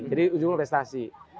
jadi ujungnya prestasi